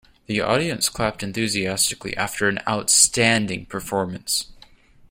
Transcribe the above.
The audience clapped enthusiastically after an outstanding performance.